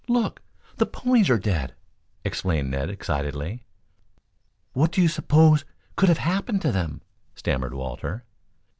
Look! The ponies are dead!" exclaimed Ned excitedly. "What do you suppose could have happened to them?" stammered Walter.